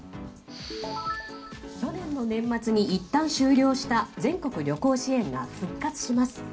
去年の年末にいったん終了した全国旅行支援が復活します。